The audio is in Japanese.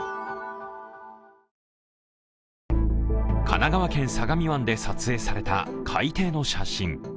神奈川県相模湾で撮影された海底の写真。